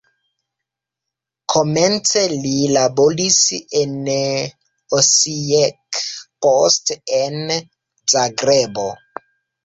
Komence li laboris en Osijek, poste en Zagrebo.